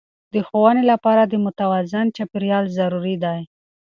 د ښوونې لپاره د متوازن چاپیریال ضروري دی.